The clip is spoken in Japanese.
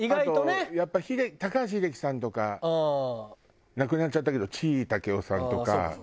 あとやっぱり高橋英樹さんとか亡くなっちゃったけど地井武男さんとか。